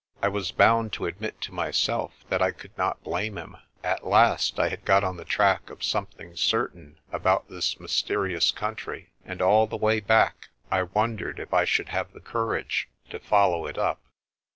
I was bound to admit to myself that I could not blame him. At last I had got on the track of something certain about this mysterious country, and all the way back I wondered if I should have the courage to follow it up.